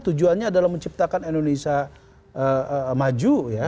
tujuannya adalah menciptakan indonesia maju ya